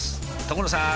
所さん！